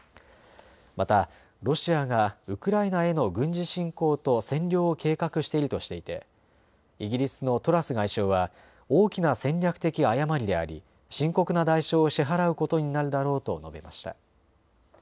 またロシアがウクライナへの軍事侵攻と占領を計画しているとしていてイギリスのトラス外相は大きな戦略的誤りであり深刻な代償を支払うことになるだろうと述べました。